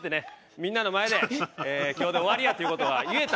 みんなの前で今日で終わりやという事は言えた。